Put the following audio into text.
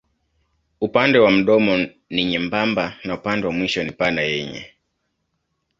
Upande wa mdomo ni nyembamba na upande wa mwisho ni pana yenye.